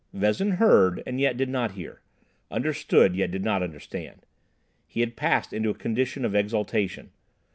Vezin heard, and yet did not hear; understood, yet did not understand. He had passed into a condition of exaltation.